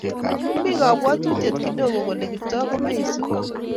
Mi kabwatutiet kodogo kole Kiptooo komeiso